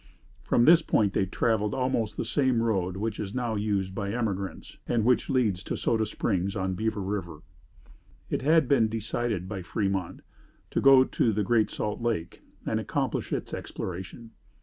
From this point they traveled almost the same road which is now used by emigrants and which leads to Soda Springs on Beaver River. It had been decided by Fremont to go to the Great Salt Lake and accomplish its exploration.